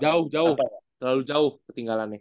jauh jauh terlalu jauh ketinggalannya